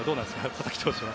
佐々木投手は。